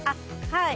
はい。